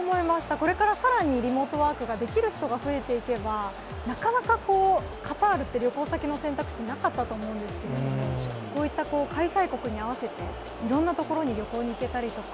これからさらにリモートワークができる人が増えていけば、なかなかカタールって、旅行先の選択肢になかったと思うんですけど、こういった開催国に合わせて、いろんな所に旅行に行けたりとか。